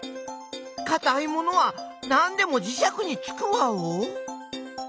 かたいものはなんでもじしゃくにつくワオ？